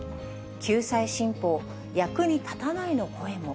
救済新法、役に立たないの声も。